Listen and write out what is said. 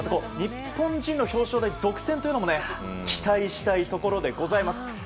日本人の表彰台独占というのも期待したいところでございます。